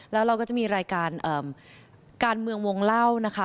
แล้วเราก็จะมีรายการการเมืองวงเล่านะคะ